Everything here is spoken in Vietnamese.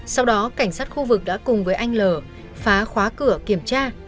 sau đó cảnh sát khu vực đã cùng với anh l phá khóa cửa kiểm tra